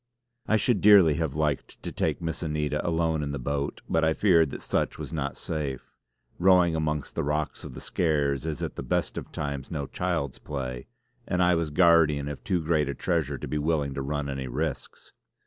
I should dearly have liked to take Miss Anita alone in the boat, but I feared that such was not safe. Rowing amongst the rocks of the Skares is at the best of times no child's play, and I was guardian of too great a treasure to be willing to run any risks.